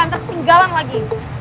ntar ketinggalan lagi